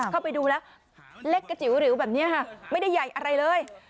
เข้าไปดูแล้วเล็กกระจิ๋วหริวแบบนี้ค่ะไม่ได้ใหญ่อะไรเลย